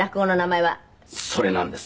それなんです。